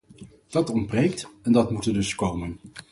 Dat ontbreekt en dat moet er dus komen.